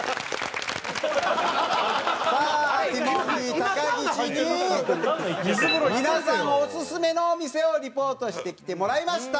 高岸に皆さんオススメのお店をリポートしてきてもらいましたんで。